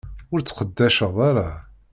Ur tt-sseqdaceɣ ara.